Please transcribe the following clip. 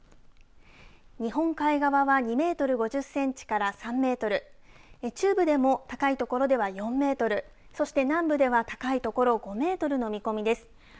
日本海側は２メートル５０センチから３メートル中部でも高い所では４メートルそして南部では高い所５メートルの見込みです。